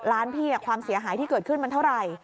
ร้านพี่ความเสียหายที่เกิดขึ้นมันเท่าไหร่